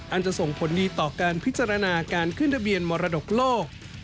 อาจจะส่งผลดีต่อการพิจารณาการขึ้นทะเบียนมรดกโลก